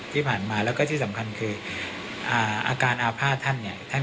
ที่สิ่งสำคัญคืออาการอาภาคท่าน